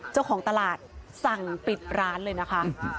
เจ้าของตลาดสั่งปิดร้านเลยนะคะ